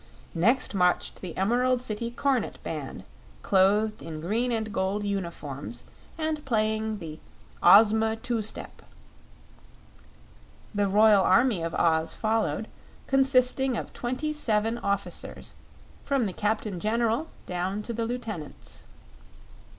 Next marched the Emerald City Cornet Band, clothed in green and gold uniforms and playing the "Ozma Two Step." The Royal Army of Oz followed, consisting of twenty seven officers, from the Captain General down to the Lieutenants.